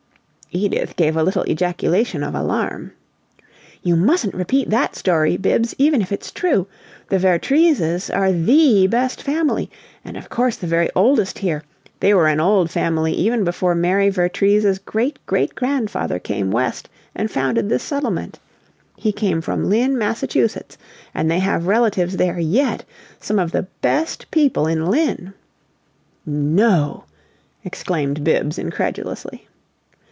Edith gave a little ejaculation of alarm. "You mustn't repeat that story, Bibbs, even if it's true. The Vertreeses are THE best family, and of course the very oldest here; they were an old family even before Mary Vertrees's great great grandfather came west and founded this settlement. He came from Lynn, Massachusetts, and they have relatives there YET some of the best people in Lynn!" "No!" exclaimed Bibbs, incredulously.